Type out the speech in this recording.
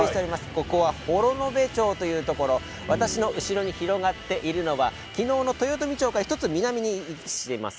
ここは幌延町というところ私の後ろに広がっているのは昨日の豊富町から１つ南に位置しています